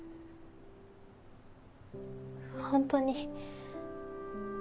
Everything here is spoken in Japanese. ホントに。